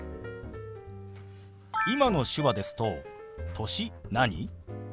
今の手話ですと「歳何？」